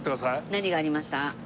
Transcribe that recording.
何がありました？